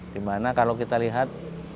dimana kalau kita lihat